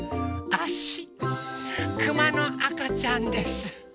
あしくまのあかちゃんです。